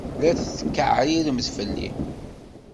La tetkeɛriremt fell-i?